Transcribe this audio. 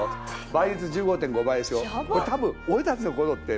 倍率１５．５倍でしょ。